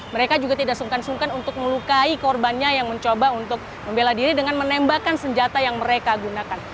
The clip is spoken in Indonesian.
mereka juga tidak sungkan sungkan untuk melukai korbannya yang mencoba untuk membela diri dengan menembakkan senjata yang mereka gunakan